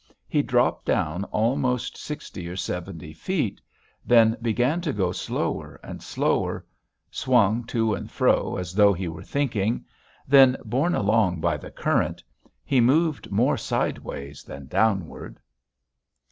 He dropped down almost sixty or seventy feet, then began to go slower and slower, swung to and fro as though he were thinking; then, borne along by the current; he moved more sideways than downward.